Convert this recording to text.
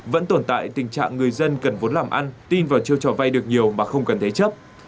vẫn tồn tại tình trạng người dân cần vốn làm ăn tin vào chiều trò vay được nhiều mà không cần thế chấp